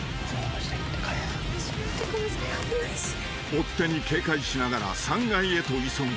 ［追っ手に警戒しながら３階へと急ぐ］